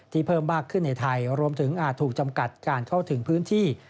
เพิ่มมากขึ้นในไทยรวมถึงอาจถูกจำกัดการเข้าถึงพื้นที่